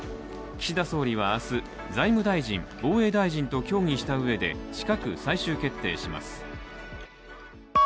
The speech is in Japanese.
岸田総理は明日、財務大臣、防衛大臣と協議したうえで近く最終決定します。